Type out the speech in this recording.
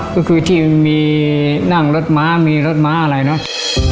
ก็คือที่มีนั่งรถม้ามีรถม้าอะไรเนาะ